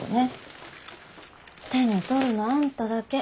手に取るのあんただけ。